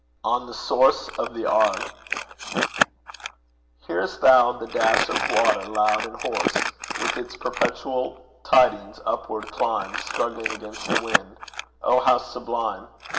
ON THE SOURCE OF THE ARVE. Hear'st thou the dash of water loud and hoarse With its perpetual tidings upward climb, Struggling against the wind? Oh, how sublime!